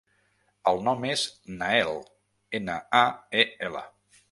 El nom és Nael: ena, a, e, ela.